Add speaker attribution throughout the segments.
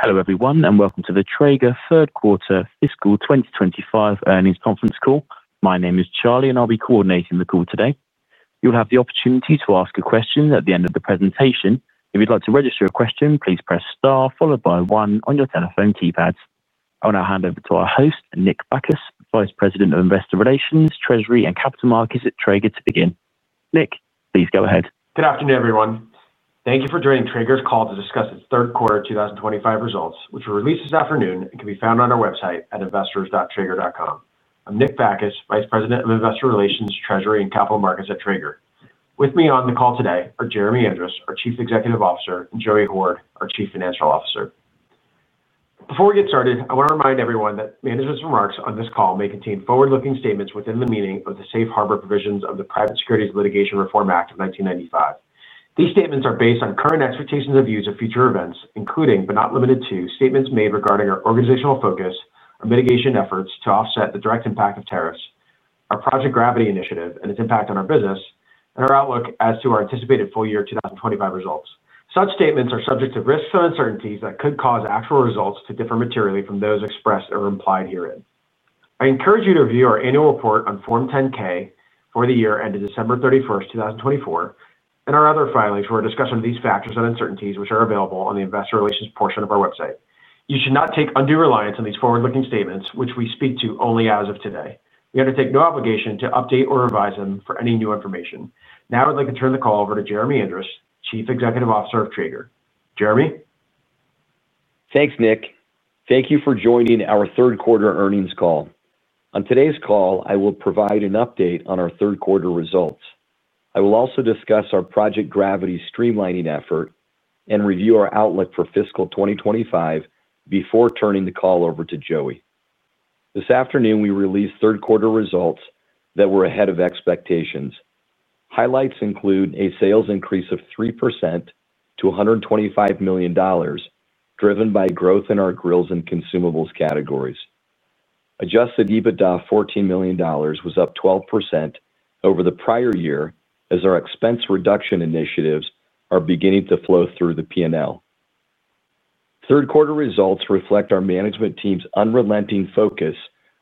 Speaker 1: Hello everyone, and welcome to the Traeger Third Quarter Fiscal 2025 Earnings Conference call. My name is Charlie, and I'll be coordinating the call today. You'll have the opportunity to ask a question at the end of the presentation. If you'd like to register a question, please press star followed by one on your telephone keypads. I'll now hand over to our host, Nick Bacchus, Vice President of Investor Relations, Treasury, and Capital Markets at Traeger, to begin. Nick, please go ahead.
Speaker 2: Good afternoon, everyone. Thank you for joining Traeger's call to discuss its third quarter 2025 results, which were released this afternoon and can be found on our website at investors.traeger.com. I'm Nick Bacchus, Vice President of Investor Relations, Treasury, and Capital Markets at Traeger. With me on the call today are Jeremy Andrus, our Chief Executive Officer, and Joey Hord, our Chief Financial Officer. Before we get started, I want to remind everyone that management's remarks on this call may contain forward-looking statements within the meaning of the safe harbor provisions of the Private Securities Litigation Reform Act of 1995. These statements are based on current expectations of use of future events, including, but not limited to, statements made regarding our organizational focus, our mitigation efforts to offset the direct impact of tariffs, our Project Gravity initiative and its impact on our business, and our outlook as to our anticipated full year 2025 results. Such statements are subject to risks and uncertainties that could cause actual results to differ materially from those expressed or implied herein. I encourage you to review our annual report on Form 10-K for the year ended December 31, 2024, and our other filings for a discussion of these factors and uncertainties, which are available on the Investor Relations portion of our website. You should not take undue reliance on these forward-looking statements, which we speak to only as of today. We undertake no obligation to update or revise them for any new information. Now I'd like to turn the call over to Jeremy Andrus, Chief Executive Officer of Traeger. Jeremy.
Speaker 3: Thanks, Nick. Thank you for joining our Third Quarter Earnings call. On today's call, I will provide an update on our Third Quarter results. I will also discuss our Project Gravity streamlining effort and review our outlook for fiscal 2025 before turning the call over to Joey. This afternoon, we released Third Quarter results that were ahead of expectations. Highlights include a sales increase of 3% million-$125 million, driven by growth in our grills and consumables categories. Adjusted EBITDA of $14 million was up 12% over the prior year as our expense reduction initiatives are beginning to flow through the P&L. Third Quarter results reflect our management team's unrelenting focus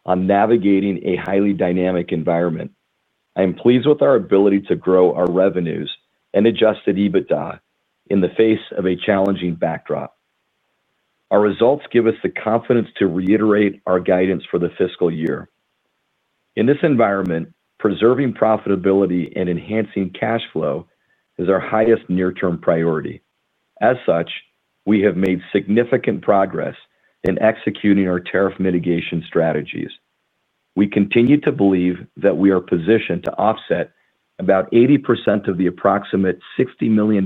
Speaker 3: on navigating a highly dynamic environment. I am pleased with our ability to grow our revenues and adjusted EBITDA in the face of a challenging backdrop. Our results give us the confidence to reiterate our guidance for the fiscal year. In this environment, preserving profitability and enhancing cash flow is our highest near-term priority. As such, we have made significant progress in executing our tariff mitigation strategies. We continue to believe that we are positioned to offset about 80% of the approximate $60 million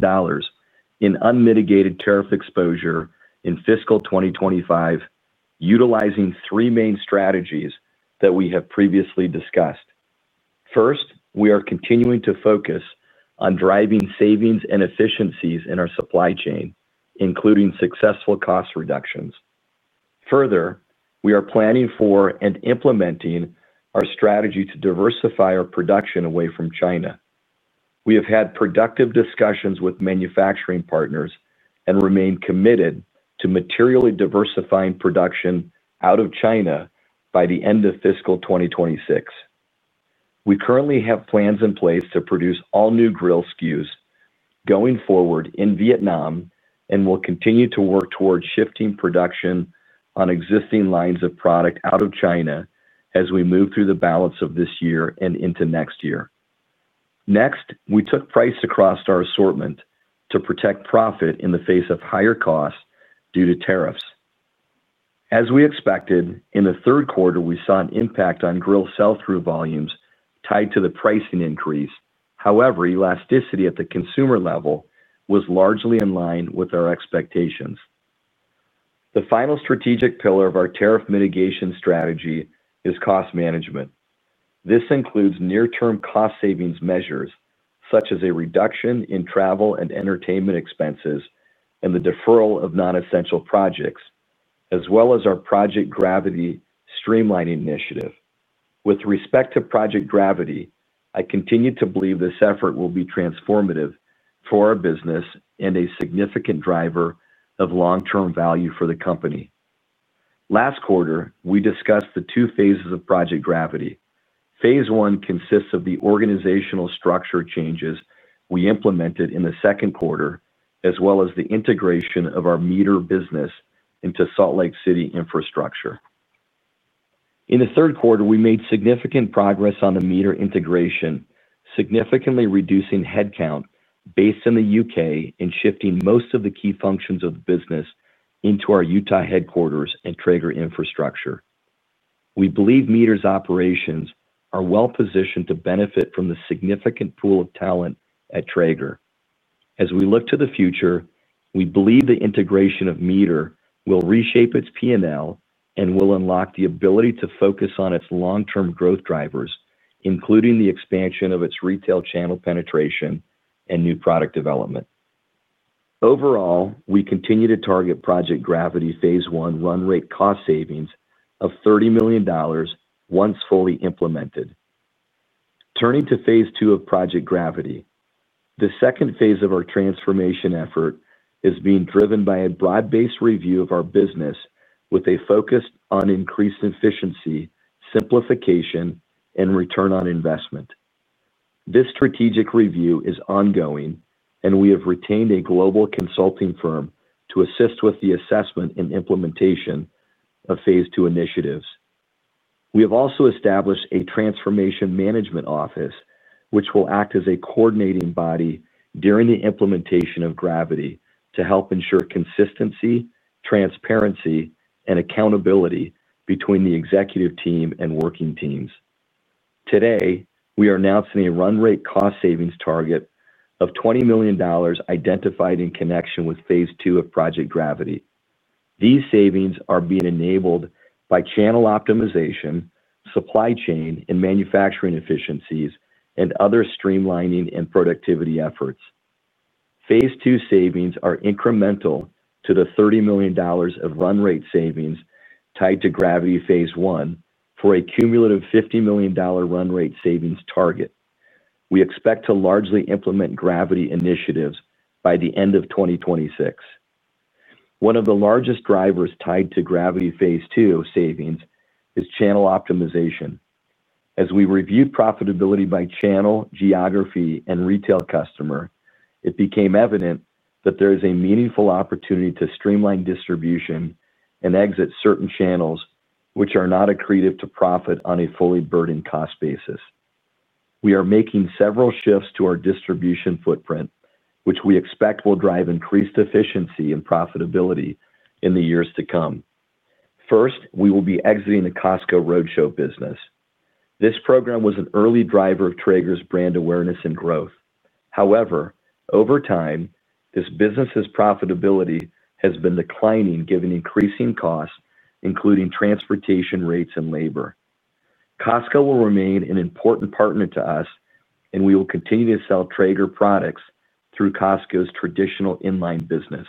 Speaker 3: in unmitigated tariff exposure in fiscal 2025, utilizing three main strategies that we have previously discussed. First, we are continuing to focus on driving savings and efficiencies in our supply chain, including successful cost reductions. Further, we are planning for and implementing our strategy to diversify our production away from China. We have had productive discussions with manufacturing partners and remain committed to materially diversifying production out of China by the end of fiscal 2026. We currently have plans in place to produce all new grill SKUs going forward in Vietnam and will continue to work toward shifting production on existing lines of product out of China as we move through the balance of this year and into next year. Next, we took price across our assortment to protect profit in the face of higher costs due to tariffs. As we expected, in the third quarter, we saw an impact on grill sell-through volumes tied to the pricing increase. However, elasticity at the consumer level was largely in line with our expectations. The final strategic pillar of our tariff mitigation strategy is cost management. This includes near-term cost savings measures such as a reduction in travel and entertainment expenses and the deferral of non-essential projects, as well as our Project Gravity streamlining initiative. With respect to Project Gravity, I continue to believe this effort will be transformative for our business and a significant driver of long-term value for the company. Last quarter, we discussed the two phases of Project Gravity. Phase I consists of the organizational structure changes we implemented in the second quarter, as well as the integration of our MEATER business into Salt Lake City infrastructure. In the third quarter, we made significant progress on the MEATER integration, significantly reducing headcount based in the U.K. and shifting most of the key functions of the business into our Utah headquarters and Traeger infrastructure. We believe MEATER's operations are well positioned to benefit from the significant pool of talent at Traeger. As we look to the future, we believe the integration of MEATER will reshape its P&L and will unlock the ability to focus on its long-term growth drivers, including the expansion of its retail channel penetration and new product development. Overall, we continue to target Project Gravity phase I run rate cost savings of $30 million once fully implemented. Turning to phase II of Project Gravity, the second phase of our transformation effort is being driven by a broad-based review of our business with a focus on increased efficiency, simplification, and return on investment. This strategic review is ongoing, and we have retained a global consulting firm to assist with the assessment and implementation of phase II initiatives. We have also established a transformation management office, which will act as a coordinating body during the implementation of Gravity to help ensure consistency, transparency, and accountability between the executive team and working teams. Today, we are announcing a run rate cost savings target of $20 million identified in connection with phase II of Project Gravity. These savings are being enabled by channel optimization, supply chain, and manufacturing efficiencies, and other streamlining and productivity efforts. Phase II savings are incremental to the $30 million of run rate savings tied to Gravity phase I for a cumulative $50 million run rate savings target. We expect to largely implement Gravity initiatives by the end of 2026. One of the largest drivers tied to Gravity phase II savings is channel optimization. As we reviewed profitability by channel, geography, and retail customer, it became evident that there is a meaningful opportunity to streamline distribution and exit certain channels which are not accretive to profit on a fully burdened cost basis. We are making several shifts to our distribution footprint, which we expect will drive increased efficiency and profitability in the years to come. First, we will be exiting the Costco roadshow business. This program was an early driver of Traeger's brand awareness and growth. However, over time, this business's profitability has been declining given increasing costs, including transportation rates and labor. Costco will remain an important partner to us, and we will continue to sell Traeger products through Costco's traditional inline business.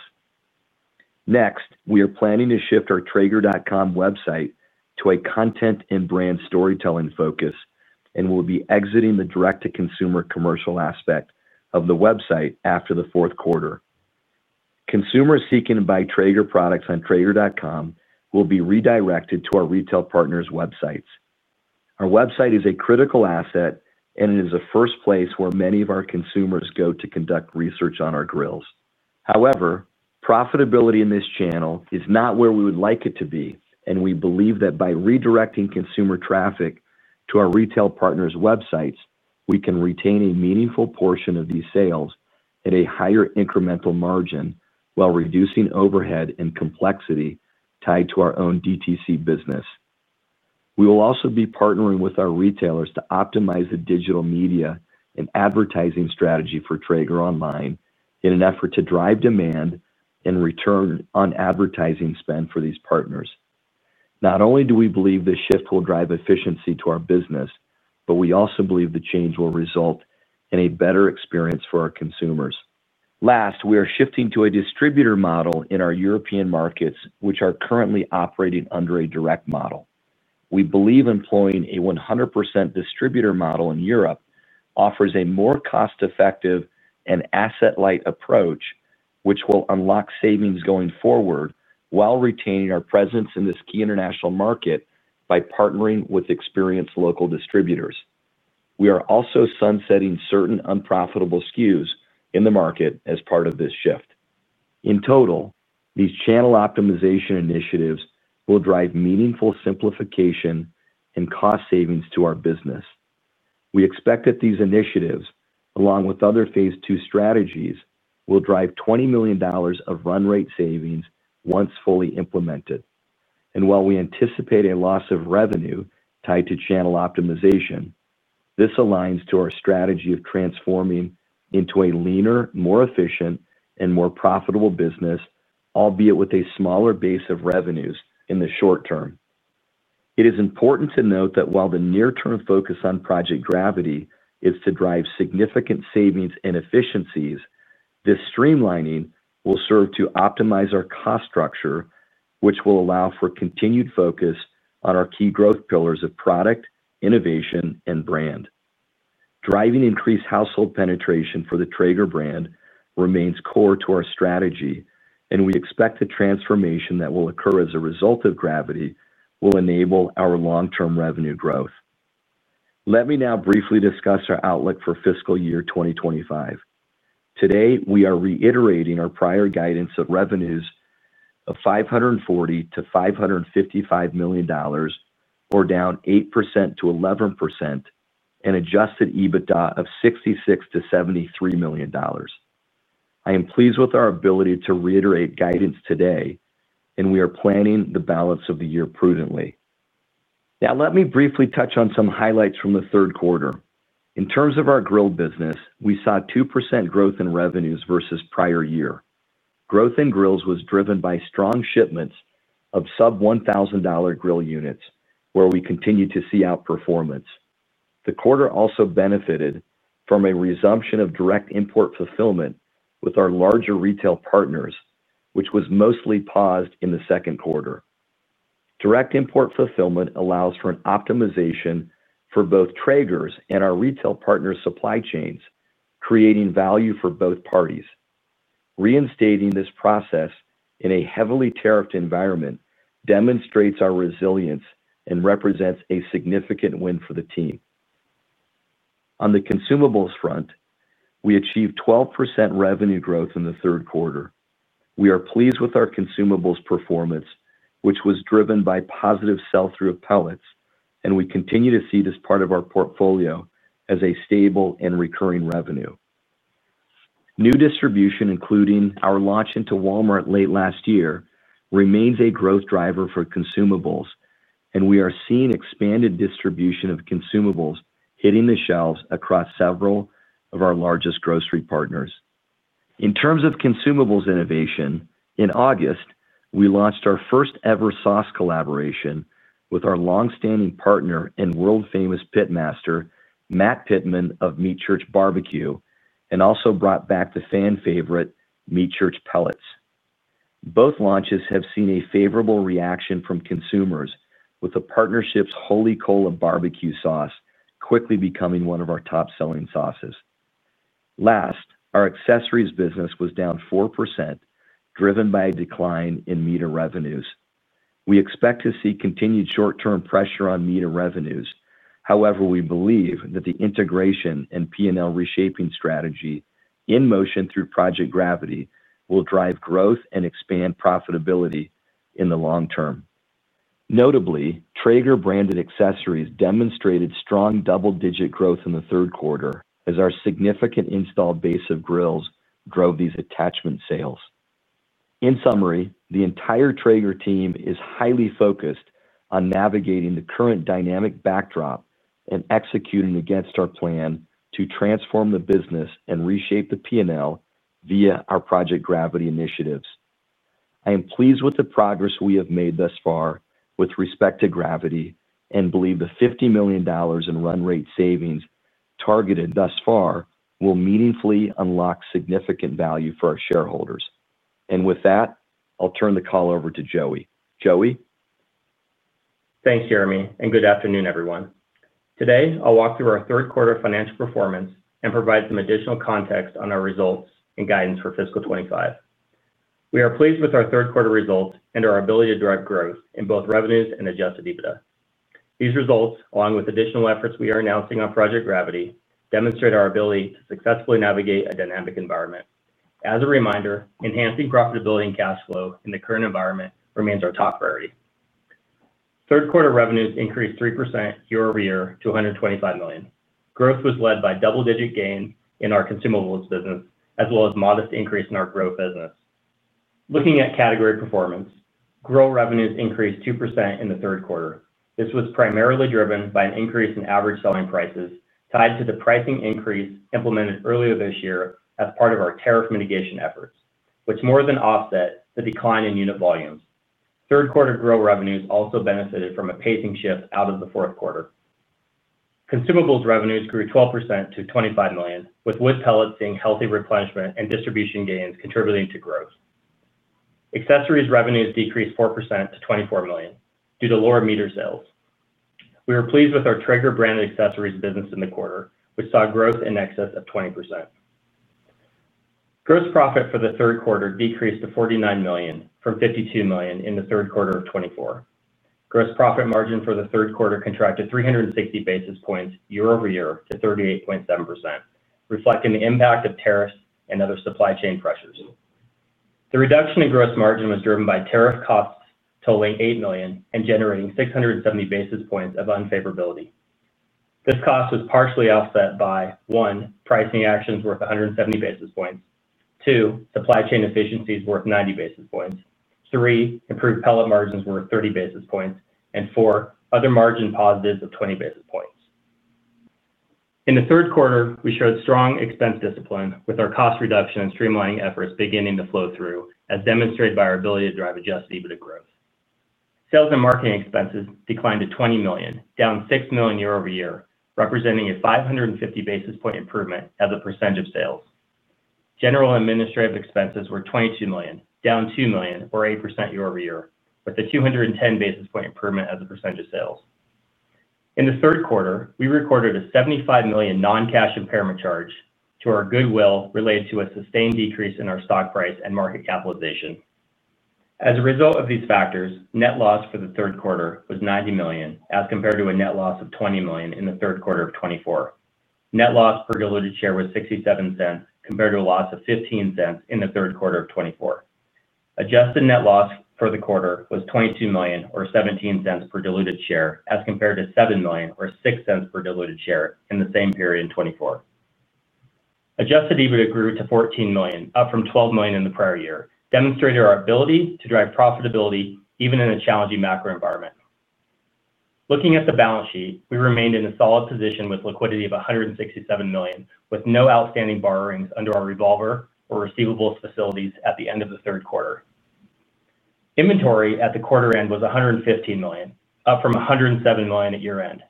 Speaker 3: Next, we are planning to shift our traeger.com website to a content and brand storytelling focus and will be exiting the direct-to-consumer commercial aspect of the website after the fourth quarter. Consumers seeking to buy Traeger products on traeger.com will be redirected to our retail partners' websites. Our website is a critical asset, and it is the first place where many of our consumers go to conduct research on our grills. However, profitability in this channel is not where we would like it to be, and we believe that by redirecting consumer traffic to our retail partners' websites, we can retain a meaningful portion of these sales at a higher incremental margin while reducing overhead and complexity tied to our own DTC business. We will also be partnering with our retailers to optimize the digital media and advertising strategy for Traeger Online in an effort to drive demand and return on advertising spend for these partners. Not only do we believe this shift will drive efficiency to our business, but we also believe the change will result in a better experience for our consumers. Last, we are shifting to a distributor model in our European markets, which are currently operating under a direct model. We believe employing a 100% distributor model in Europe offers a more cost-effective and asset-light approach, which will unlock savings going forward while retaining our presence in this key international market by partnering with experienced local distributors. We are also sunsetting certain unprofitable SKUs in the market as part of this shift. In total, these channel optimization initiatives will drive meaningful simplification and cost savings to our business. We expect that these initiatives, along with other phase II strategies, will drive $20 million of run rate savings once fully implemented. While we anticipate a loss of revenue tied to channel optimization, this aligns to our strategy of transforming into a leaner, more efficient, and more profitable business, albeit with a smaller base of revenues in the short term. It is important to note that while the near-term focus on Project Gravity is to drive significant savings and efficiencies, this streamlining will serve to optimize our cost structure, which will allow for continued focus on our key growth pillars of product, innovation, and brand. Driving increased household penetration for the Traeger brand remains core to our strategy, and we expect the transformation that will occur as a result of Gravity will enable our long-term revenue growth. Let me now briefly discuss our outlook for fiscal year 2025. Today, we are reiterating our prior guidance of revenues of $540 million-$555 million, or down 8%-11%, and adjusted EBITDA of $66 million-$73 million. I am pleased with our ability to reiterate guidance today, and we are planning the balance of the year prudently. Now, let me briefly touch on some highlights from the third quarter. In terms of our grill business, we saw 2% growth in revenues versus prior year. Growth in grills was driven by strong shipments of sub-$1,000 grill units, where we continue to see outperformance. The quarter also benefited from a resumption of direct import fulfillment with our larger retail partners, which was mostly paused in the second quarter. Direct import fulfillment allows for an optimization for both Traeger's and our retail partner supply chains, creating value for both parties. Reinstating this process in a heavily tariffed environment demonstrates our resilience and represents a significant win for the team. On the consumables front, we achieved 12% revenue growth in the third quarter. We are pleased with our consumables performance, which was driven by positive sell-through of pellets, and we continue to see this part of our portfolio as a stable and recurring revenue. New distribution, including our launch into Walmart late last year, remains a growth driver for consumables, and we are seeing expanded distribution of consumables hitting the shelves across several of our largest grocery partners. In terms of consumables innovation, in August, we launched our first-ever sauce collaboration with our longstanding partner and world-famous Pitmaster, Matt Pittman of Meat Church BBQ, and also brought back the fan-favorite Meat Church Pellets. Both launches have seen a favorable reaction from consumers, with the partnership's Holy Cola barbecue sauce quickly becoming one of our top-selling sauces. Last, our accessories business was down 4%, driven by a decline in MEATER revenues. We expect to see continued short-term pressure on MEATER revenues. However, we believe that the integration and P&L reshaping strategy in motion through Project Gravity will drive growth and expand profitability in the long term. Notably, Traeger branded accessories demonstrated strong double-digit growth in the third quarter as our significant installed base of grills drove these attachment sales. In summary, the entire Traeger team is highly focused on navigating the current dynamic backdrop and executing against our plan to transform the business and reshape the P&L via our Project Gravity initiatives. I am pleased with the progress we have made thus far with respect to Gravity and believe the $50 million in run rate savings targeted thus far will meaningfully unlock significant value for our shareholders. With that, I'll turn the call over to Joey. Joey.
Speaker 4: Thanks, Jeremy, and good afternoon, everyone. Today, I'll walk through our third quarter financial performance and provide some additional context on our results and guidance for fiscal 2025. We are pleased with our third quarter results and our ability to drive growth in both revenues and adjusted EBITDA. These results, along with additional efforts we are announcing on Project Gravity, demonstrate our ability to successfully navigate a dynamic environment. As a reminder, enhancing profitability and cash flow in the current environment remains our top priority. Third quarter revenues increased 3% year-over-year to $125 million. Growth was led by double-digit gains in our consumables business, as well as a modest increase in our grill business. Looking at category performance, grill revenues increased 2% in the third quarter. This was primarily driven by an increase in average selling prices tied to the pricing increase implemented earlier this year as part of our tariff mitigation efforts, which more than offset the decline in unit volumes. Third quarter grill revenues also benefited from a pacing shift out of the fourth quarter. Consumables revenues grew 12% to $25 million, with wood pellets seeing healthy replenishment and distribution gains contributing to growth. Accessories revenues decreased 4% million -$24 million due to lower MEATER sales. We are pleased with our Traeger branded accessories business in the quarter, which saw growth in excess of 20%. Gross profit for the third quarter decreased to $49 million from $52 million in the third quarter of 2024. Gross profit margin for the third quarter contracted 360 basis points year-over-year to 38.7%, reflecting the impact of tariffs and other supply chain pressures. The reduction in gross margin was driven by tariff costs totaling $8 million and generating 670 basis points of unfavorability. This cost was partially offset by, one, pricing actions worth 170 basis points; two, supply chain efficiencies worth 90 basis points; three, improved pellet margins worth 30 basis points; and four, other margin positives of 20 basis points. In the third quarter, we showed strong expense discipline with our cost reduction and streamlining efforts beginning to flow through, as demonstrated by our ability to drive adjusted EBITDA growth. Sales and marketing expenses declined to $20 million, down $6 million year-over-year, representing a 550 basis point improvement as a percentage of sales. General and administrative expenses were $22 million, down $2 million, or 8% year-over-year, with a 210 basis point improvement as a percentage of sales. In the third quarter, we recorded a $75 million non-cash impairment charge to our goodwill related to a sustained decrease in our stock price and market capitalization. As a result of these factors, net loss for the third quarter was $90 million, as compared to a net loss of $20 million in the third quarter of 2024. Net loss per diluted share was $0.67, compared to a loss of $0.15 in the third quarter of 2024. Adjusted net loss for the quarter was $22 million, or $0.17 per diluted share, as compared to $7 million, or $0.06 per diluted share in the same period in 2024. Adjusted EBITDA grew to $14 million, up from $12 million in the prior year, demonstrating our ability to drive profitability even in a challenging macro environment. Looking at the balance sheet, we remained in a solid position with liquidity of $167 million, with no outstanding borrowings under our revolver or receivables facilities at the end of the third quarter. Inventory at the quarter end was $115 million, up from $107 million at year-end.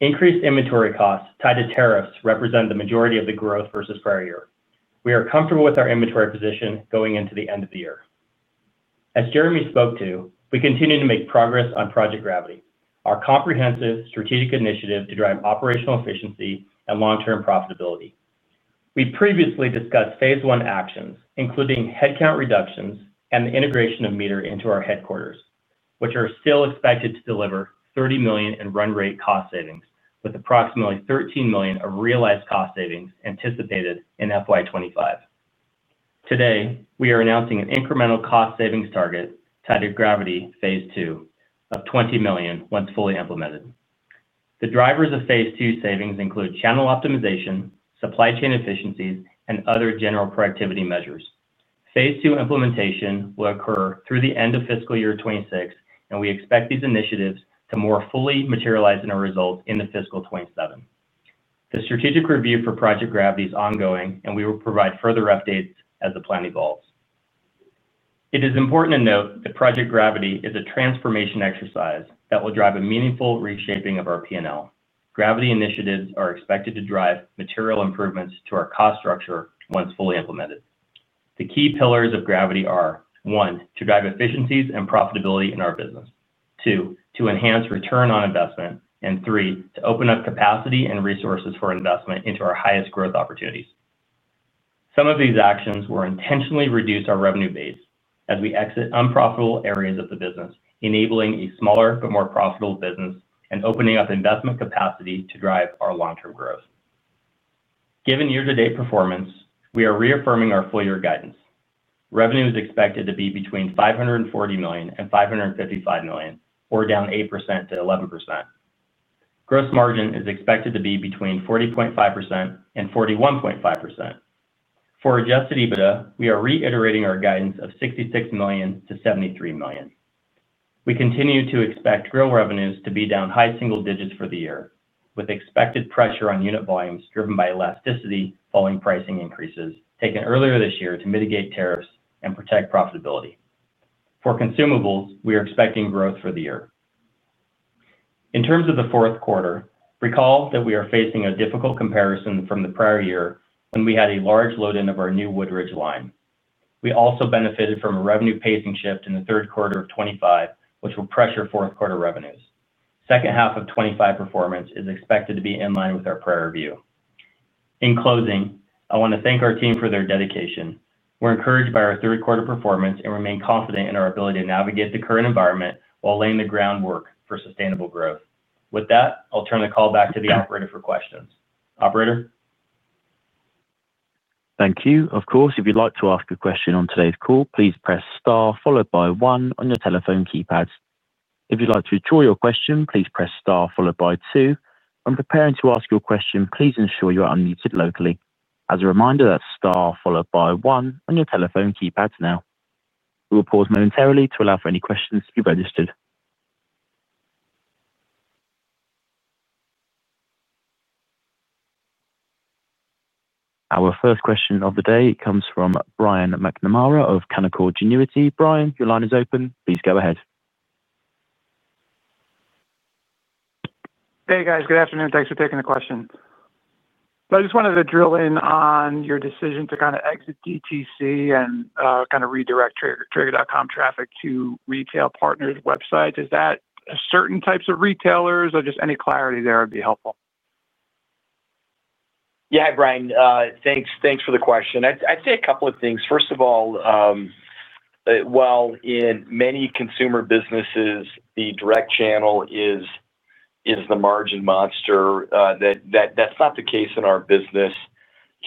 Speaker 4: Increased inventory costs tied to tariffs represent the majority of the growth versus prior year. We are comfortable with our inventory position going into the end of the year. As Jeremy spoke to, we continue to make progress on Project Gravity, our comprehensive strategic initiative to drive operational efficiency and long-term profitability. We previously discussed phase I actions, including headcount reductions and the integration of MEATER into our headquarters, which are still expected to deliver $30 million in run rate cost savings, with approximately $13 million of realized cost savings anticipated in fiscal year 2025. Today, we are announcing an incremental cost savings target tied to Gravity phase II of $20 million once fully implemented. The drivers of phase II savings include channel optimization, supply chain efficiencies, and other general productivity measures. Phase II implementation will occur through the end of fiscal year 2026, and we expect these initiatives to more fully materialize in our results in fiscal 2027. The strategic review for Project Gravity is ongoing, and we will provide further updates as the plan evolves. It is important to note that Project Gravity is a transformation exercise that will drive a meaningful reshaping of our P&L. Gravity initiatives are expected to drive material improvements to our cost structure once fully implemented. The key pillars of Gravity are: one, to drive efficiencies and profitability in our business; two, to enhance return on investment; and three, to open up capacity and resources for investment into our highest growth opportunities. Some of these actions will intentionally reduce our revenue base as we exit unprofitable areas of the business, enabling a smaller but more profitable business and opening up investment capacity to drive our long-term growth. Given year-to-date performance, we are reaffirming our full-year guidance. Revenue is expected to be between $540 million and $555 million, or down 8%-11%. Gross margin is expected to be between 40.5%-41.5%. For adjusted EBITDA, we are reiterating our guidance of $66 million-$73 million. We continue to expect grill revenues to be down high single digits for the year, with expected pressure on unit volumes driven by elasticity following pricing increases taken earlier this year to mitigate tariffs and protect profitability. For consumables, we are expecting growth for the year. In terms of the fourth quarter, recall that we are facing a difficult comparison from the prior year when we had a large load-in of our new Woodridge line. We also benefited from a revenue pacing shift in the third quarter of 2025,
Speaker 1: Thank you. Of course, if you'd like to ask a question on today's call, please press star followed by one on your telephone keypad. If you'd like to withdraw your question, please press star followed by two. When preparing to ask your question, please ensure you are unmuted locally. As a reminder, that's star followed by one on your telephone keypad now. We will pause momentarily to allow for any questions to be registered. Our first question of the day comes from Brian McNamara of Canaccord Genuity. Brian, your line is open. Please go ahead.
Speaker 5: Hey, guys. Good afternoon. Thanks for taking the question. I just wanted to drill in on your decision to kind of exit DTC and kind of redirect Traeger dot com traffic to retail partners' websites. Is that certain types of retailers, or just any clarity there would be helpful?
Speaker 3: Yeah, Brian, thanks for the question. I'd say a couple of things. First of all, while in many consumer businesses, the direct channel is the margin monster, that's not the case in our business.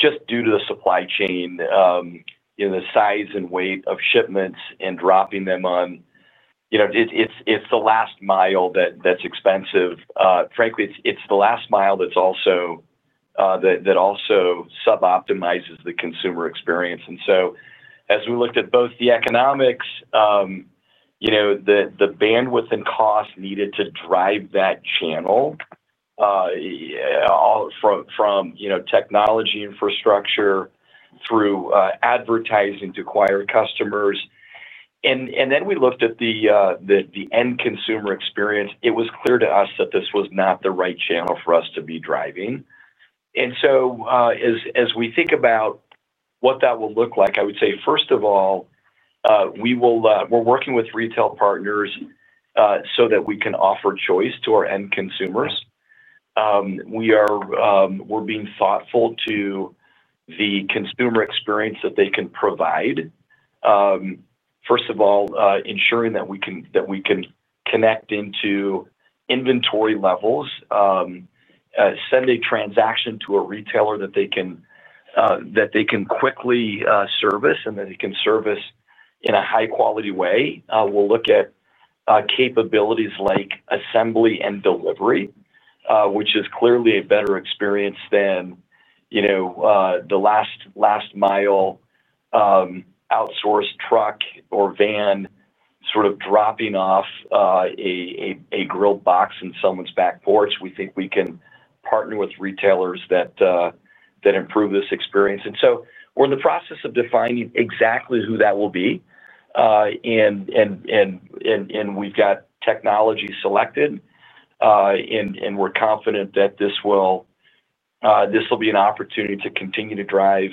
Speaker 3: Just due to the supply chain, the size and weight of shipments and dropping them on, it's the last mile that's expensive. Frankly, it's the last mile that also suboptimizes the consumer experience. As we looked at both the economics, the bandwidth and cost needed to drive that channel from technology infrastructure through advertising to acquire customers, and then we looked at the end consumer experience. It was clear to us that this was not the right channel for us to be driving. As we think about what that will look like, I would say, first of all, we're working with retail partners so that we can offer choice to our end consumers. We're being thoughtful to the consumer experience that they can provide. First of all, ensuring that we can connect into inventory levels, send a transaction to a retailer that they can quickly service, and that they can service in a high-quality way. We'll look at capabilities like assembly and delivery, which is clearly a better experience than the last-mile outsourced truck or van sort of dropping off a grill box in someone's back porch. We think we can partner with retailers that improve this experience. We're in the process of defining exactly who that will be. We've got technology selected. We're confident that this will be an opportunity to continue to drive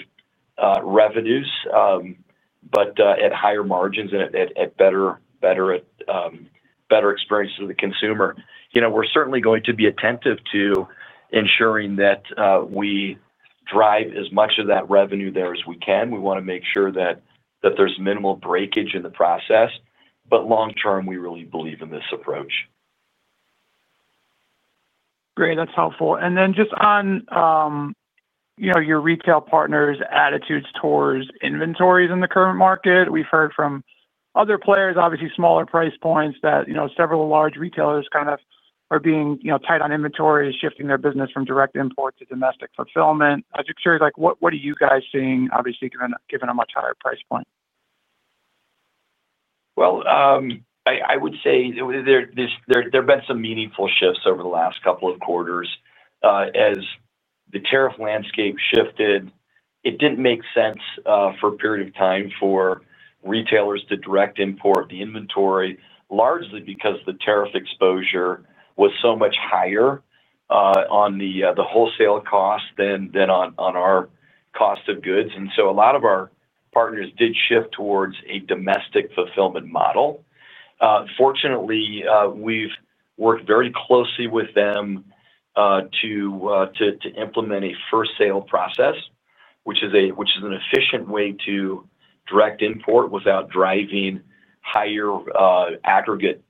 Speaker 3: revenues, but at higher margins and at better experience to the consumer. We're certainly going to be attentive to ensuring that we drive as much of that revenue there as we can. We want to make sure that there's minimal breakage in the process. Long-term, we really believe in this approach.
Speaker 5: Great. That's helpful. Just on your retail partners' attitudes towards inventories in the current market, we've heard from other players, obviously smaller price points, that several large retailers kind of are being tight on inventory, shifting their business from direct import to domestic fulfillment. I'm just curious, what are you guys seeing, obviously, given a much higher price point?
Speaker 3: I would say there have been some meaningful shifts over the last couple of quarters. As the tariff landscape shifted, it did not make sense for a period of time for retailers to direct import the inventory, largely because the tariff exposure was so much higher on the wholesale cost than on our cost of goods. A lot of our partners did shift towards a domestic fulfillment model. Fortunately, we have worked very closely with them to implement a first sale process, which is an efficient way to direct import without driving higher aggregate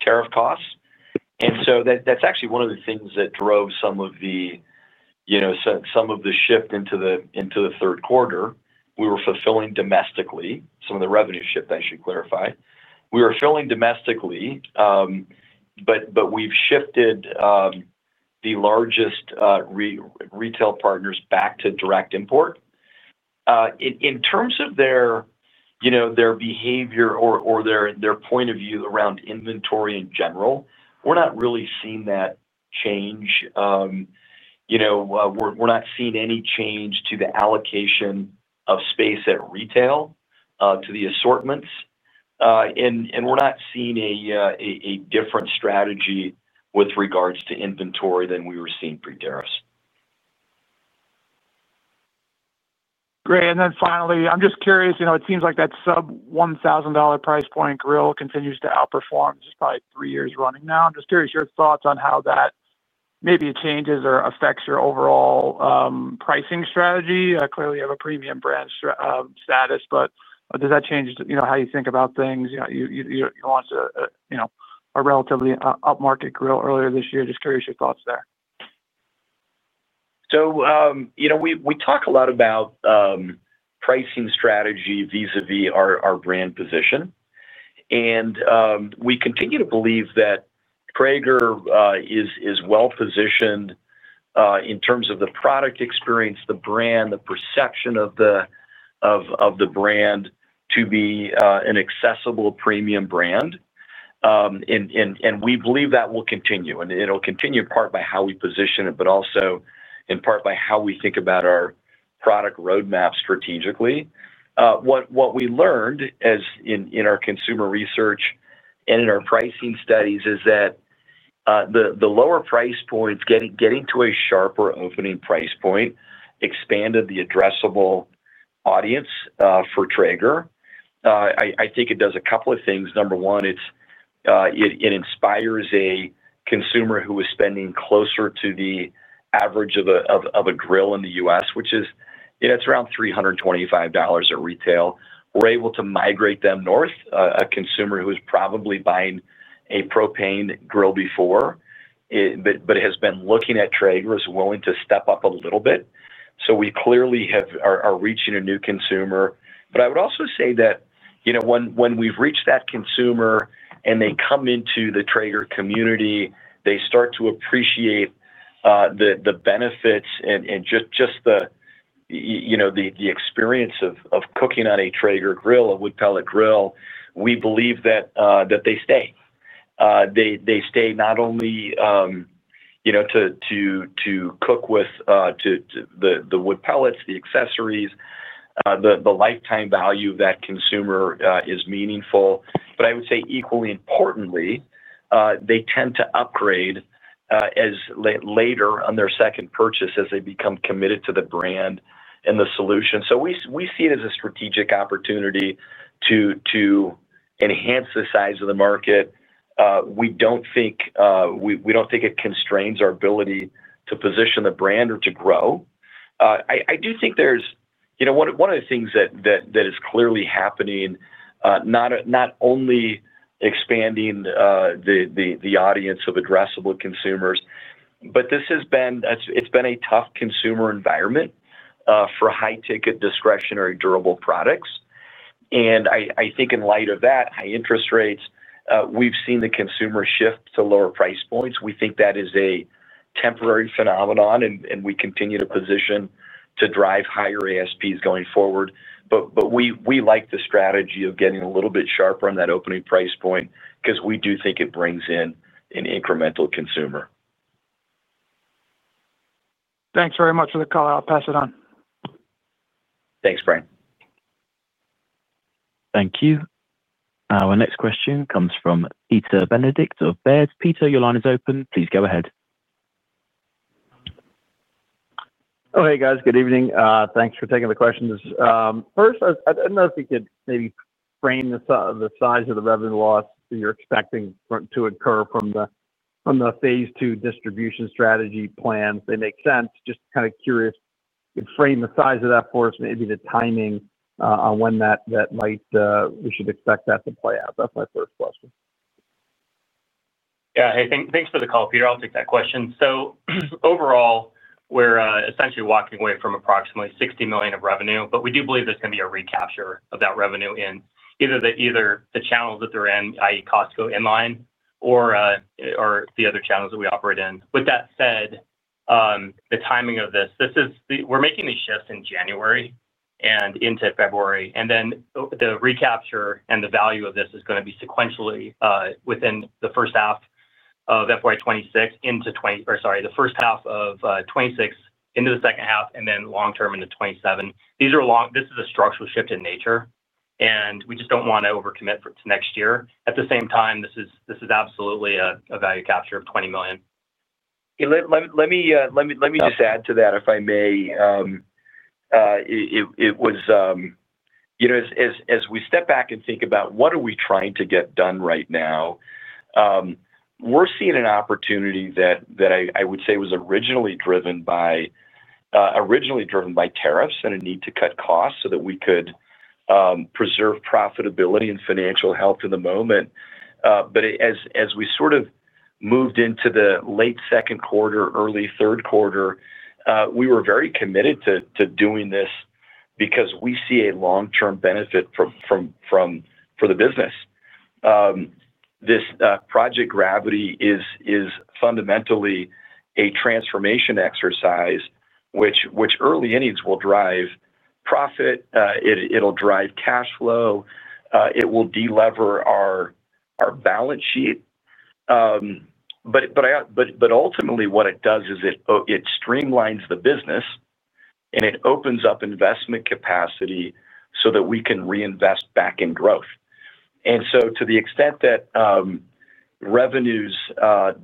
Speaker 3: tariff costs. That is actually one of the things that drove some of the shift into the third quarter. We were fulfilling domestically. Some of the revenue shift, I should clarify. We were fulfilling domestically, but we have shifted the largest retail partners back to direct import. In terms of their behavior or their point of view around inventory in general, we are not really seeing that change. We're not seeing any change to the allocation of space at retail to the assortments. We're not seeing a different strategy with regards to inventory than we were seeing pre-tariffs.
Speaker 5: Great. Finally, I'm just curious, it seems like that sub-$1,000 price point grill continues to outperform. This is probably three years running now. I'm just curious your thoughts on how that maybe changes or affects your overall pricing strategy. Clearly, you have a premium brand status, but does that change how you think about things? You launched a relatively up-market grill earlier this year. Just curious your thoughts there.
Speaker 3: We talk a lot about pricing strategy vis-à-vis our brand position. We continue to believe that Traeger is well-positioned. In terms of the product experience, the brand, the perception of the brand to be an accessible premium brand. We believe that will continue. It will continue in part by how we position it, but also in part by how we think about our product roadmap strategically. What we learned in our consumer research and in our pricing studies is that the lower price points, getting to a sharper opening price point, expanded the addressable audience for Traeger. I think it does a couple of things. Number one, it inspires a consumer who is spending closer to the average of a grill in the U.S., which is around $325 at retail. We're able to migrate them north, a consumer who is probably buying a propane grill before but has been looking at Traeger, is willing to step up a little bit. We clearly are reaching a new consumer. I would also say that when we've reached that consumer and they come into the Traeger community, they start to appreciate. The benefits and just the experience of cooking on a Traeger grill, a wood pellet grill, we believe that they stay. They stay not only to cook with the wood pellets, the accessories. The lifetime value of that consumer is meaningful. I would say, equally importantly, they tend to upgrade later on their second purchase as they become committed to the brand and the solution. We see it as a strategic opportunity to enhance the size of the market. We do not think it constrains our ability to position the brand or to grow. I do think there is one of the things that is clearly happening, not only expanding the audience of addressable consumers, but it has been a tough consumer environment for high-ticket discretionary durable products. I think in light of that, high interest rates, we have seen the consumer shift to lower price points. We think that is a temporary phenomenon, and we continue to position to drive higher ASPs going forward. We like the strategy of getting a little bit sharper on that opening price point because we do think it brings in an incremental consumer.
Speaker 5: Thanks very much for the call. I'll pass it on.
Speaker 3: Thanks, Brian.
Speaker 1: Thank you. Our next question comes from Peter Benedict of Baird. Peter, your line is open. Please go ahead.
Speaker 6: Oh, hey, guys. Good evening. Thanks for taking the questions. First, I don't know if we could maybe frame the size of the revenue loss that you're expecting to occur from the phase II distribution strategy plan. If that makes sense, just kind of curious, could you frame the size of that for us, maybe the timing on when we should expect that to play out. That's my first question. Yeah.
Speaker 4: Hey, thanks for the call, Peter. I'll take that question. Overall, we're essentially walking away from approximately $60 million of revenue, but we do believe there's going to be a recapture of that revenue in either the channels that they're in, i.e., Costco inline, or the other channels that we operate in. With that said, the timing of this, we're making these shifts in January and into February. The recapture and the value of this is going to be sequentially within the first half of 2026 into, or sorry, the first half of 2026 into the second half, and then long-term into 2027. This is a structural shift in nature, and we just don't want to overcommit for next year. At the same time, this is absolutely a value capture of $20 million.
Speaker 3: Let me just add to that, if I may. It was. As we step back and think about what are we trying to get done right now, we're seeing an opportunity that I would say was originally driven by tariffs and a need to cut costs so that we could preserve profitability and financial health in the moment. As we sort of moved into the late second quarter, early third quarter, we were very committed to doing this because we see a long-term benefit for the business. This Project Gravity is fundamentally a transformation exercise, which early innings will drive profit. It'll drive cash flow. It will delever our balance sheet. Ultimately, what it does is it streamlines the business. It opens up investment capacity so that we can reinvest back in growth. To the extent that revenues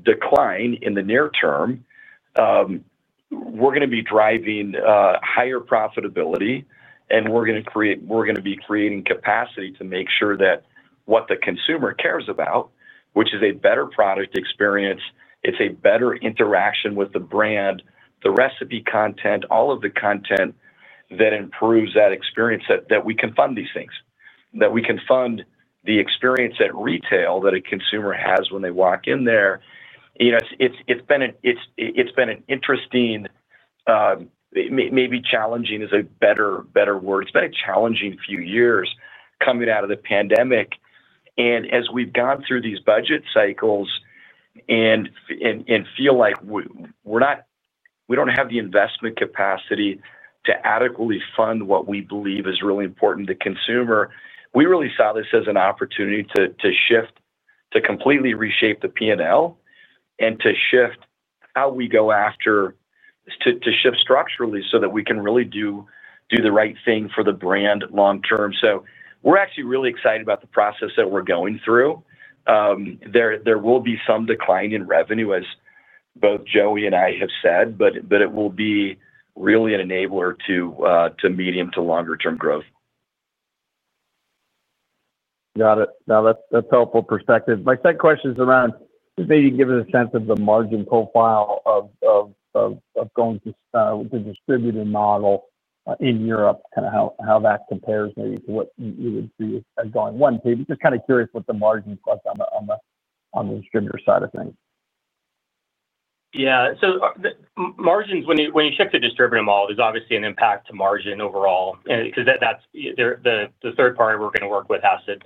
Speaker 3: decline in the near term. We're going to be driving higher profitability, and we're going to be creating capacity to make sure that what the consumer cares about, which is a better product experience, it's a better interaction with the brand, the recipe content, all of the content that improves that experience, that we can fund these things, that we can fund the experience at retail that a consumer has when they walk in there. It's been interesting. Maybe challenging is a better word. It's been a challenging few years coming out of the pandemic. As we've gone through these budget cycles and feel like we don't have the investment capacity to adequately fund what we believe is really important to the consumer, we really saw this as an opportunity to completely reshape the P&L and to shift how we go after. To shift structurally so that we can really do. The right thing for the brand long-term. We're actually really excited about the process that we're going through. There will be some decline in revenue, as both Joey and I have said, but it will be really an enabler to medium to longer-term growth.
Speaker 6: Got it. No, that's helpful perspective. My second question is around just maybe giving a sense of the margin profile of going to the distributed model in Europe, kind of how that compares maybe to what you would see as going one. Just kind of curious what the margin plus on the distributor side of things.
Speaker 3: Yeah. Margins, when you shift to distributed model, there's obviously an impact to margin overall because the third party we're going to work with has to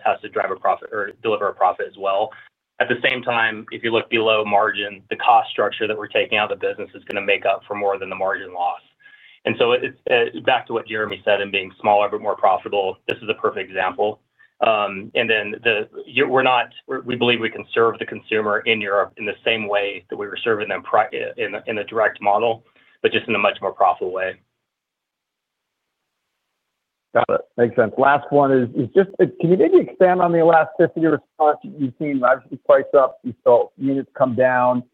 Speaker 3: deliver a profit as well. At the same time, if you look below margin, the cost structure that we're taking out of the business is going to make up for more than the margin loss. Back to what Jeremy said and being smaller but more profitable, this is a perfect example. We believe we can serve the consumer in Europe in the same way that we were serving them in the direct model, but just in a much more profitable way.
Speaker 6: Got it. Makes sense. Last one is just, can you maybe expand on the elasticity response you've seen? Obviously, price up, you saw units come down.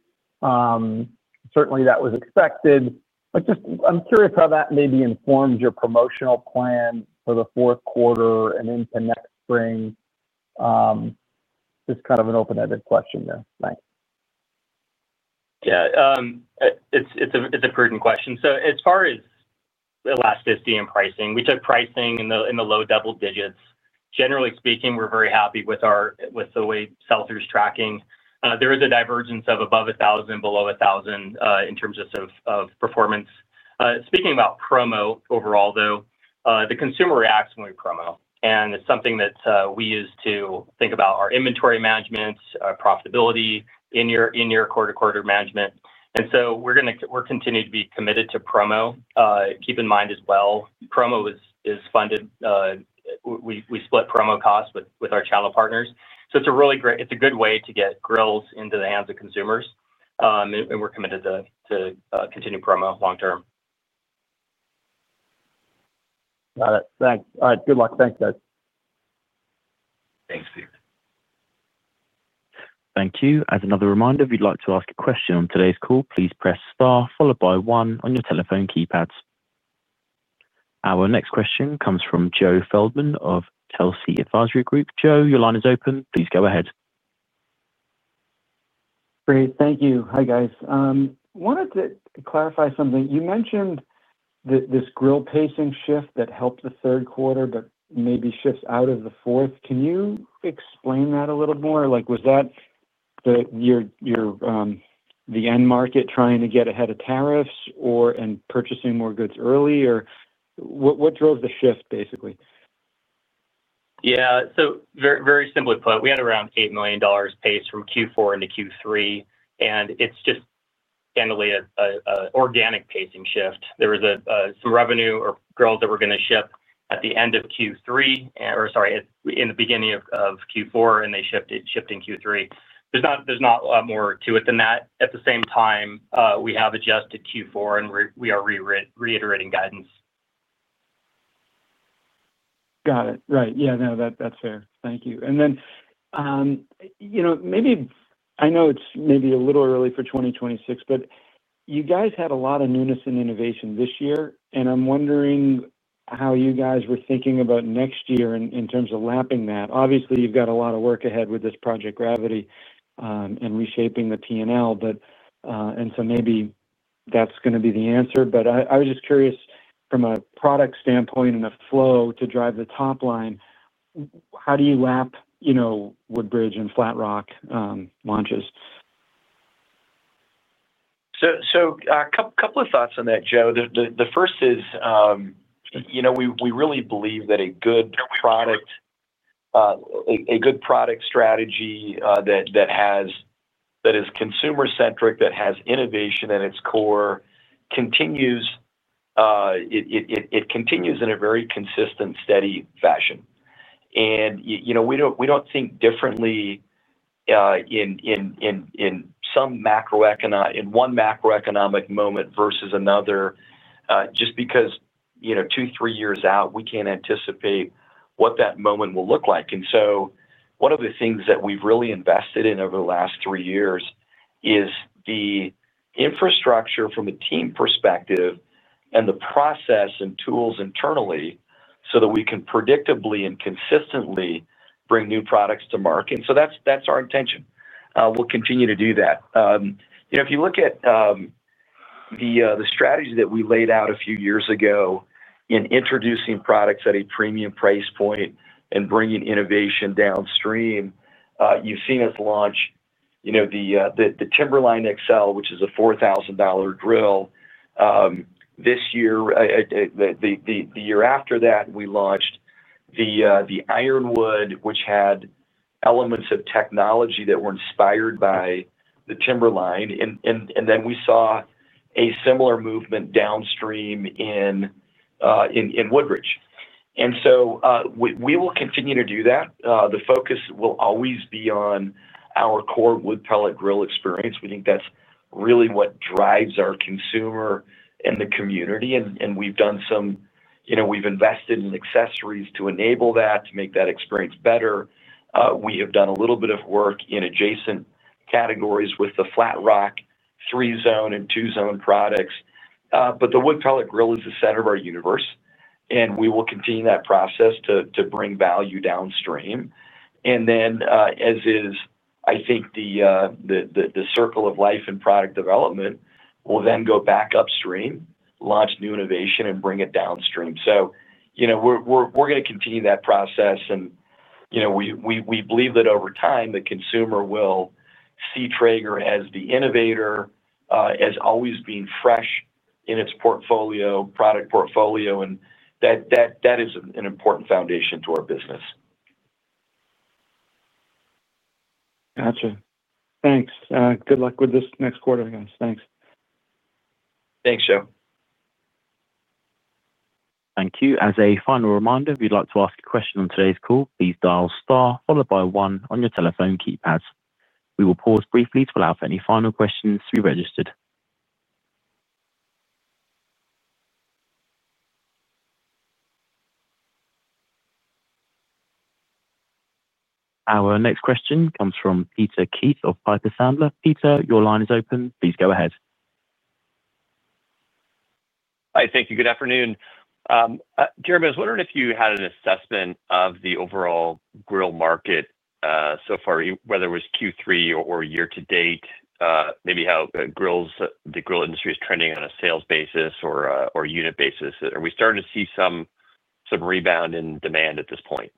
Speaker 6: Certainly, that was expected. I'm curious how that maybe informed your promotional plan for the fourth quarter and into next spring. Just kind of an open-ended question there. Thanks.
Speaker 3: Yeah. It's a prudent question. As far as. Elasticity and pricing, we took pricing in the low double digits. Generally speaking, we're very happy with the way Seltzer is tracking. There is a divergence of above 1,000, below 1,000 in terms of performance. Speaking about promo overall, though, the consumer reacts when we promote. It is something that we use to think about our inventory management, profitability in your quarter-to-quarter management. We are continuing to be committed to promo. Keep in mind as well, promo is funded. We split promo costs with our channel partners. It is a really great, it is a good way to get grills into the hands of consumers. We are committed to continuing promo long-term.
Speaker 6: Got it. Thanks. All right. Good luck. Thanks, guys.
Speaker 3: Thanks, Peter. Thank you. As another reminder, if you'd like to ask a question on today's call, please press star followed by one on your telephone keypads.
Speaker 1: Our next question comes from Joe Feldman of Telsey Advisory Group. Joe, your line is open. Please go ahead.
Speaker 7: Great. Thank you. Hi, guys. I wanted to clarify something. You mentioned this grill pacing shift that helped the third quarter but maybe shifts out of the fourth. Can you explain that a little more? Was that the end market trying to get ahead of tariffs or purchasing more goods early? What drove the shift, basically?
Speaker 3: Yeah. So very simply put, we had around $8 million pace from Q4 into Q3. And it is just generally an organic pacing shift. There was some revenue or grills that were going to ship at the end of Q3 or, sorry, in the beginning of Q4, and they shipped in Q3. There is not a lot more to it than that. At the same time, we have adjusted Q4, and we are reiterating guidance.
Speaker 7: Got it. Right. Yeah. No, that's fair. Thank you. Maybe I know it's maybe a little early for 2026, but you guys had a lot of newness and innovation this year. I'm wondering how you guys were thinking about next year in terms of lapping that. Obviously, you've got a lot of work ahead with this Project Gravity and reshaping the P&L, and so maybe that's going to be the answer. I was just curious from a product standpoint and a flow to drive the top line, how do you lap Woodridge and Flat Rock launches?
Speaker 4: A couple of thoughts on that, Joe. The first is, we really believe that a good product strategy that is consumer-centric, that has innovation at its core, continues in a very consistent, steady fashion. We don't think differently in one macroeconomic moment versus another just because. Two, three years out, we can't anticipate what that moment will look like. One of the things that we've really invested in over the last three years is the infrastructure from a team perspective and the process and tools internally so that we can predictably and consistently bring new products to market. That's our intention. We'll continue to do that. If you look at the strategy that we laid out a few years ago in introducing products at a premium price point and bringing innovation downstream, you've seen us launch the Timberline XL, which is a $4,000 grill this year. The year after that, we launched the Ironwood, which had elements of technology that were inspired by the Timberline. Then we saw a similar movement downstream in Woodridge. We will continue to do that. The focus will always be on our core wood pellet grill experience. We think that's really what drives our consumer and the community. We've done some— We've invested in accessories to enable that, to make that experience better. We have done a little bit of work in adjacent categories with the Flat Rock three-zone and two-zone products. The wood pellet grill is the center of our universe, and we will continue that process to bring value downstream. As is, I think the circle of life and product development will then go back upstream, launch new innovation, and bring it downstream. We're going to continue that process. We believe that over time, the consumer will see Traeger as the innovator, as always being fresh in its product portfolio. That is an important foundation to our business.
Speaker 7: Gotcha. Thanks. Good luck with this next quarter, guys. Thanks.
Speaker 3: Thanks, Joe.
Speaker 1: Thank you. As a final reminder, if you'd like to ask a question on today's call, please dial star followed by one on your telephone keypads. We will pause briefly to allow for any final questions to be registered. Our next question comes from Peter Keith of Piper Sandler. Peter, your line is open. Please go ahead.
Speaker 8: Hi. Thank you. Good afternoon. Jeremy, I was wondering if you had an assessment of the overall grill market. So far, whether it was Q3 or year to date, maybe how the grill industry is trending on a sales basis or unit basis. Are we starting to see some rebound in demand at this point?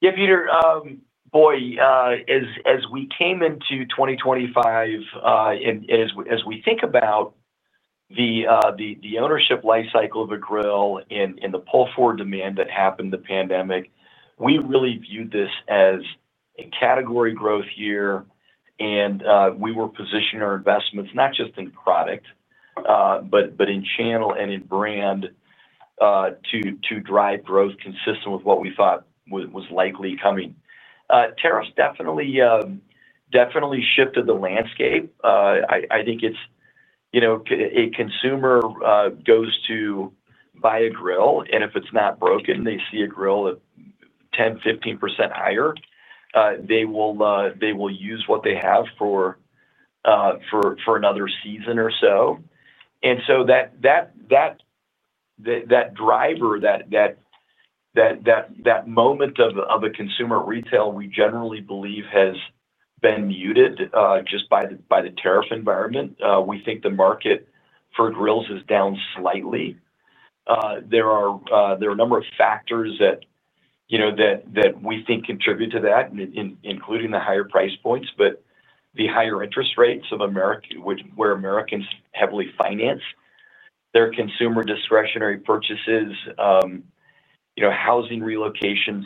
Speaker 3: Yeah, Peter. Boy, as we came into 2025. And as we think about. The ownership life cycle of a grill and the pull-forward demand that happened in the pandemic, we really viewed this as a category growth year. We were positioning our investments, not just in product, but in channel and in brand, to drive growth consistent with what we thought was likely coming. Tariffs definitely shifted the landscape. I think it's a consumer goes to buy a grill, and if it's not broken, they see a grill 10-15% higher. They will use what they have for another season or so. That driver, that moment of a consumer retail, we generally believe has been muted just by the tariff environment. We think the market for grills is down slightly. There are a number of factors that we think contribute to that, including the higher price points, but the higher interest rates of where Americans heavily finance. Their consumer discretionary purchases. Housing relocations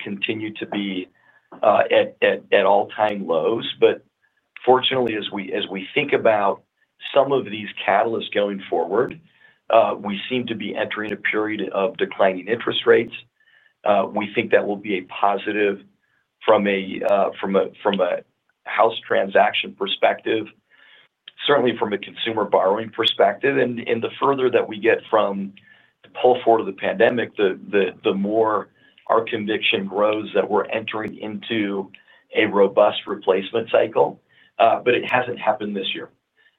Speaker 3: continue to be at all-time lows. Fortunately, as we think about some of these catalysts going forward, we seem to be entering a period of declining interest rates. We think that will be a positive from a house transaction perspective, certainly from a consumer borrowing perspective. The further that we get from the pull-forward of the pandemic, the more our conviction grows that we're entering into a robust replacement cycle. It has not happened this year.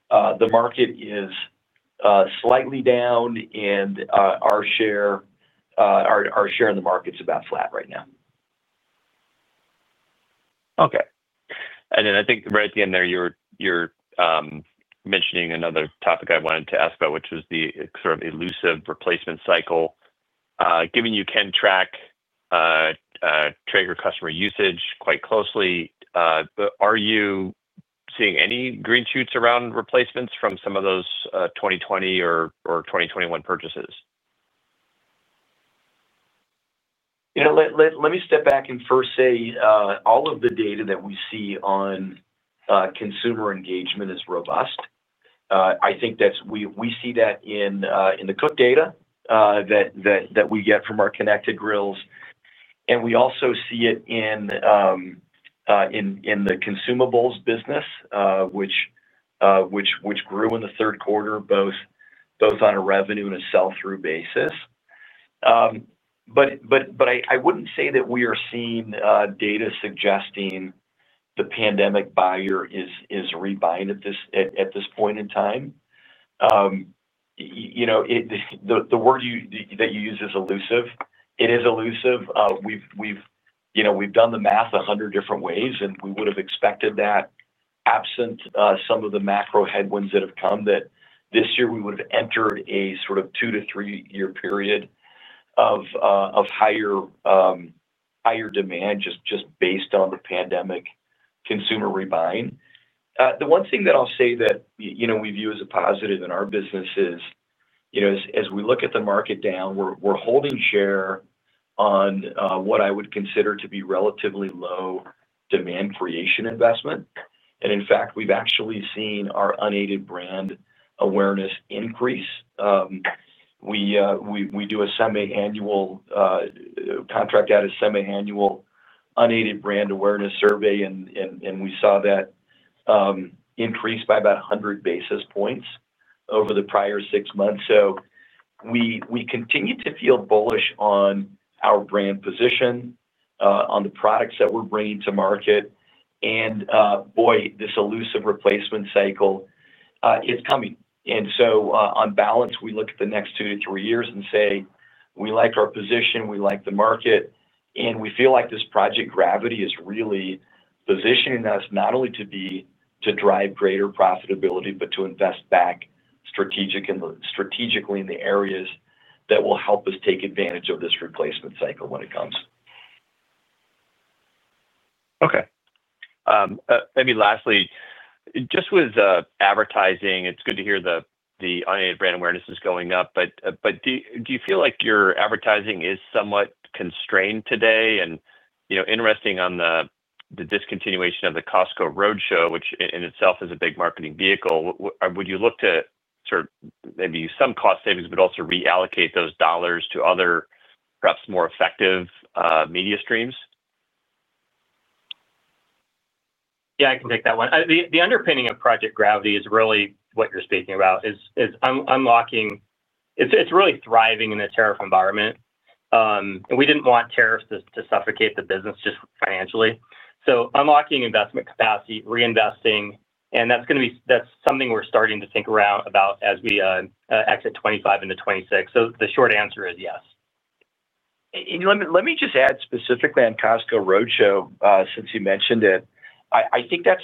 Speaker 3: The market is slightly down, and our share in the market is about flat right now.
Speaker 8: Okay. I think right at the end there, you're mentioning another topic I wanted to ask about, which was the sort of elusive replacement cycle. Given you can track Traeger customer usage quite closely. Are you seeing any green shoots around replacements from some of those 2020 or 2021 purchases?
Speaker 4: Let me step back and first say all of the data that we see on consumer engagement is robust. I think that we see that in the cook data that we get from our connected grills. We also see it in the consumables business, which grew in the third quarter, both on a revenue and a sell-through basis. I would not say that we are seeing data suggesting the pandemic buyer is rebuying at this point in time. The word that you use is elusive. It is elusive. We have done the math a hundred different ways, and we would have expected that, absent some of the macro headwinds that have come, this year we would have entered a sort of two to three-year period of higher. Demand just based on the pandemic consumer rebuying. The one thing that I'll say that we view as a positive in our business is, as we look at the market down, we're holding share on what I would consider to be relatively low demand creation investment. In fact, we've actually seen our unaided brand awareness increase. We do contract out a semi-annual unaided brand awareness survey, and we saw that increase by about 100 basis points over the prior six months. We continue to feel bullish on our brand position, on the products that we're bringing to market. Boy, this elusive replacement cycle is coming. On balance, we look at the next two to three years and say, "We like our position. We like the market. We feel like this Project Gravity is really positioning us not only to drive greater profitability, but to invest back strategically in the areas that will help us take advantage of this replacement cycle when it comes.
Speaker 8: Okay. Maybe lastly, just with advertising, it's good to hear the unaided brand awareness is going up. Do you feel like your advertising is somewhat constrained today? Interesting on the discontinuation of the Costco Roadshow, which in itself is a big marketing vehicle. Would you look to sort of maybe some cost savings, but also reallocate those dollars to other, perhaps more effective media streams?
Speaker 3: Yeah, I can take that one. The underpinning of Project Gravity is really what you're speaking about. It's really thriving in the tariff environment. We didn't want tariffs to suffocate the business just financially. Unlocking investment capacity, reinvesting, and that is going to be—that is something we are starting to think about as we exit 2025 into 2026. The short answer is yes.
Speaker 4: Let me just add specifically on Costco Roadshow, since you mentioned it. I think that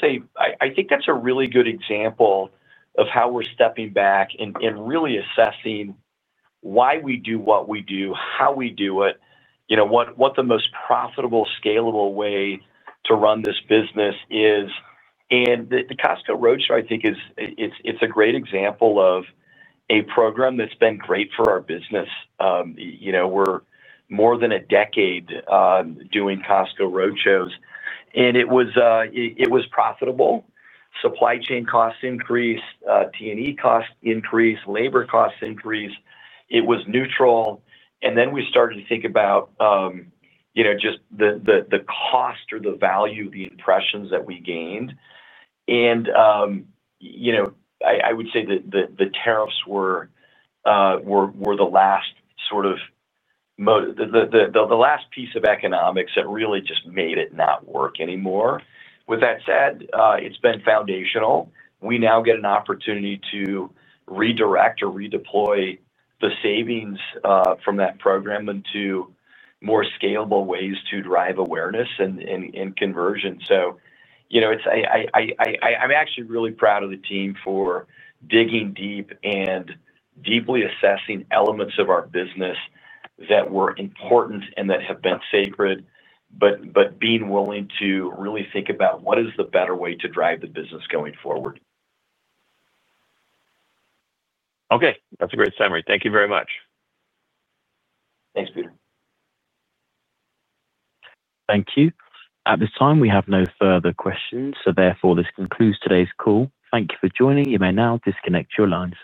Speaker 4: is a really good example of how we are stepping back and really assessing why we do what we do, how we do it. What the most profitable, scalable way to run this business is. The Costco Roadshow, I think, is a great example of a program that has been great for our business. We are more than a decade doing Costco Roadshows. It was profitable. Supply chain costs increased, T&E costs increased, labor costs increased. It was neutral. Then we started to think about just the cost or the value of the impressions that we gained. I would say that the tariffs were the last sort of, the last piece of economics that really just made it not work anymore. With that said, it's been foundational. We now get an opportunity to redirect or redeploy the savings from that program into more scalable ways to drive awareness and conversion. I'm actually really proud of the team for digging deep and deeply assessing elements of our business that were important and that have been sacred, but being willing to really think about what is the better way to drive the business going forward.
Speaker 8: Okay. That's a great summary. Thank you very much.
Speaker 4: Thanks, Peter.
Speaker 1: Thank you. At this time, we have no further questions. Therefore, this concludes today's call. Thank you for joining. You may now disconnect your lines.